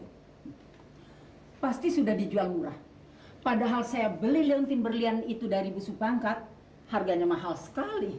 hai pasti sudah dijual murah padahal saya beli leontin berlian itu dari busu pangkat harganya mahal sekali